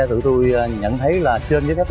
tụi tôi nhận thấy là trên giấy phép lá xe